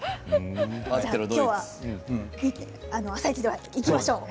今日は「あさイチ」でいきましょう。